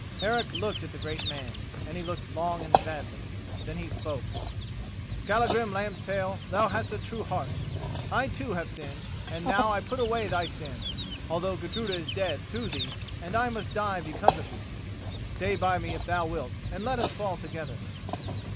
Eric looked at the great man—he looked long and sadly. Then he spoke: "Skallagrim Lambstail, thou hast a true heart. I too have sinned, and now I put away thy sin, although Gudruda is dead through thee and I must die because of thee. Stay by me if thou wilt and let us fall together."